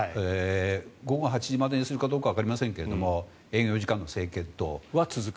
午後８時までにするかどうかはわかりませんけれども営業時間の制限等は続く。